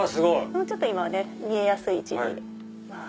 もうちょっと見えやすい位置に。